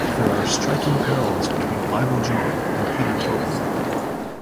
There are striking parallels between Bible John and Peter Tobin.